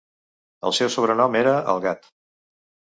El seu sobrenom era "El Gat".